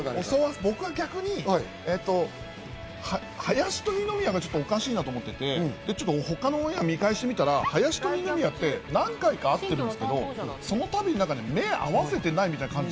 僕は逆に林と二宮がおかしいなと思ってて、他のオンエアを見返してみたら、林と二宮って何回か会ってるんですけど、そのたびに目を合わせてないみたいな感じ。